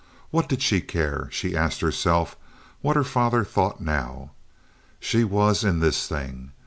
What did she care, she asked herself, what her father thought now? She was in this thing.